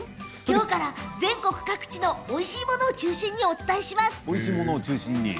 きょうから全国各地のおいしいものを中心にお伝えします。